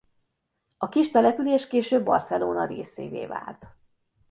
A kis település később Barcelona részévé vált.